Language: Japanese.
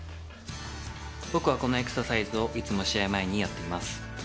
僕はこのエクササイズをいつも試合前にやっています。